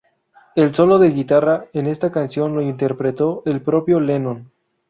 El solo de guitarra en esta canción lo interpretó el propio Lennon.